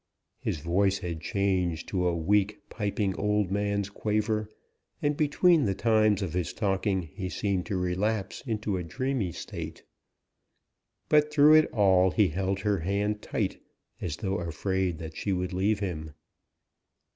His voice had changed to a weak, piping old man's quaver, and between the times of his talking he seemed to relapse into a dreamy state; but through it all he held her hand tight, as though afraid that she would leave him.